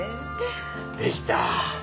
できた！